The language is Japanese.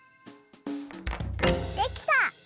できた！